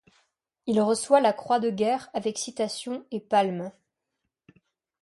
Il reçoit la Croix de guerre avec citation et palme.